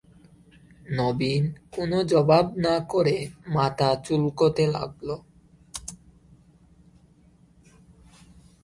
নবীন কোনো জবাব না করে মাথা চুলকোতে লাগল।